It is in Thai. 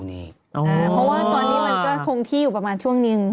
เพราะว่าตอนนี้มันก็คงที่อยู่ประมาณช่วงนึง